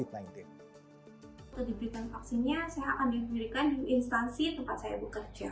untuk diberikan vaksinnya saya akan diberikan di instansi tempat saya bekerja